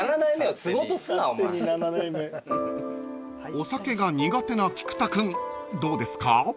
［お酒が苦手な菊田君どうですか？］